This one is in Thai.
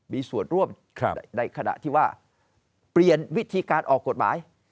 มีส่วนร่วมในขณะที่ว่าเปลี่ยนวิธีการออกกฎหมาย